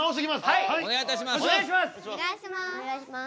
はいお願いいたします。